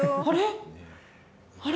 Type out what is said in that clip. あれ？